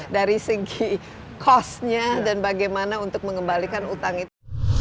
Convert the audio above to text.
dari segi costnya dan bagaimana untuk mengembalikan utang itu